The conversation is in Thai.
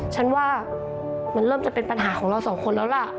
ฉันว่ามันเริ่มจะเป็นปัญหาของเราสองคนแล้วล่ะ